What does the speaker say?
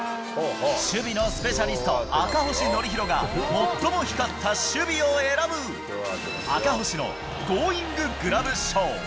守備のスペシャリスト、赤星憲広が、最も光った守備を選ぶ、赤星のゴーインググラブ賞。